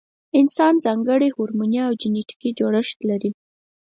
انسان ځانګړی هورموني او جنټیکي جوړښت لري.